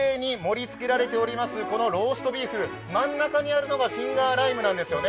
このローストビーフ、真ん中にあるのがフィンガーライムなんですよね。